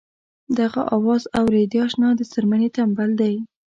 دغه اواز اورې د اشنا د څرمنې تمبل دی.